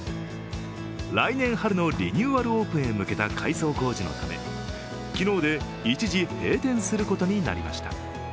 来年春のリニューアルオープンへ向けた改装工事のため昨日で、一時閉店することになりました。